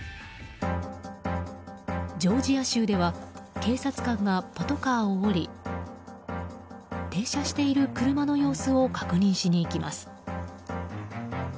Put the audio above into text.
ジョージア州では警察官がパトカーを降り停車している車の様子を確認しに行きます。